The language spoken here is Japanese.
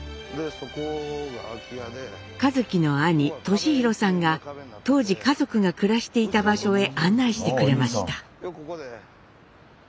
一輝の兄年浩さんが当時家族が暮らしていた場所へ案内してくれました。